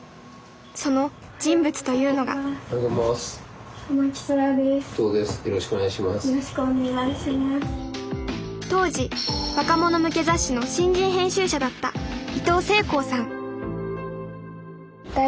その人物というのが当時若者向け雑誌の新人編集者だったいとうせいこうさん